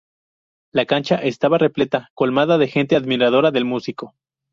La cancha estaba repleta, colmada de gente admiradora del músico.